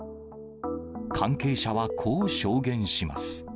関係者はこう証言します。